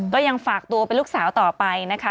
ก็ยังฝากตัวเป็นลูกสาวต่อไปนะคะ